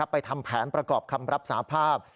ทำแผนประกอบคำรับสาภาพ